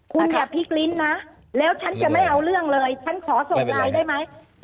คุณอย่าพลิกลิ้นนะแล้วฉันจะไม่เอาเรื่องเลยฉันขอส่งไลน์ได้ไหม